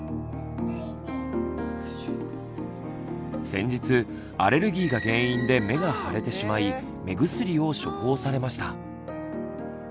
先日アレルギーが原因で目が腫れてしまい目薬を処方されました。